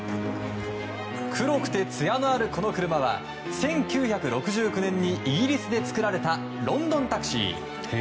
黒くて、つやのあるこの車は１９６９年にイギリスで作られたロンドンタクシー。